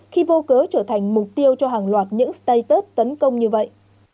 khi vô cớ trở thành mục tiêu cho hàng loạt những stayus tấn công như vậy